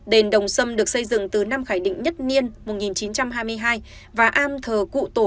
đền đồng xâm được xây dựng từ năm khải định nhất niên một nghìn chín trăm hai mươi hai và am thờ cụ tổ